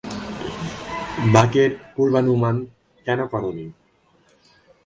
বাঁকের পূর্বানুমান কেন করোনি?